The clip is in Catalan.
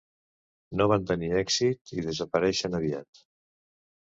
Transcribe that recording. No van tenir èxit i desapareixen aviat.